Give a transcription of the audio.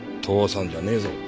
父さんじゃねえぞ。